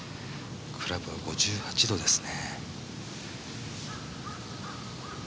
クラブは５８度ですね。